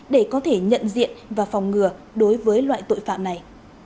để có thể nhận diện và phòng ngừa đối với loại tội phạm này